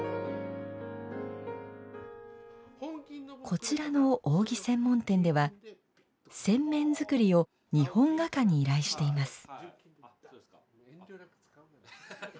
こちらの扇専門店では飾扇子の扇面を日本画家に依頼しています。